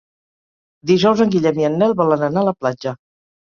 Dijous en Guillem i en Nel volen anar a la platja.